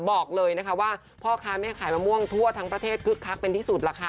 บอกเลยนะคะว่าพ่อค้าแม่ขายมะม่วงทั่วทั้งประเทศคึกคักเป็นที่สุดล่ะค่ะ